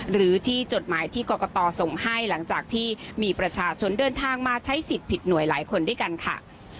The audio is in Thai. หรือที่จดหมายที่กรกตส่งให้หลังจากที่มีประชาชนเดินทางมาใช้สิทธิ์ผิดหน่วยหลายคนด้วยกันค่ะ